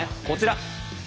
こちら。